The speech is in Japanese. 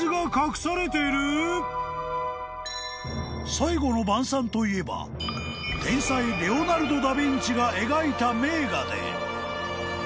［『最後の晩餐』といえば天才レオナルド・ダ・ヴィンチが描いた名画で］